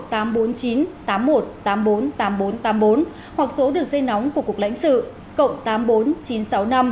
tổng đài bảo hộ công dân cộng tám trăm bốn mươi tám nghìn bốn trăm tám mươi bốn hoặc số đường dây nóng của cục lãnh sự cộng tám bốn chín sáu năm bốn một một một một tám